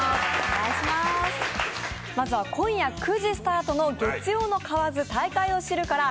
まずは今夜９時スタートの「月曜の蛙、大海を知る」からＨｅｙ！